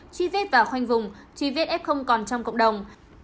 truy vết và khoanh vùng truy vết f còn trong cộng đồng